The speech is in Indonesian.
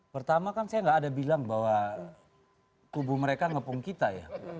pertama kan saya tidak ada bilang bahwa tubuh mereka mengepung kita ya